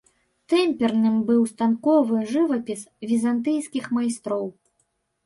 Тэмперным быў станковы жывапіс візантыйскіх майстроў.